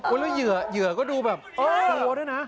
วันแล้วเหยื่อเหยื่อก็ดูแบบโฮโหดด้วยนะ